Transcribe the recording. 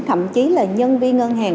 thậm chí là nhân viên ngân hàng